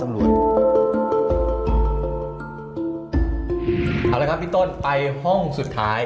เอาละครับพี่ต้นไปห้องสุดท้าย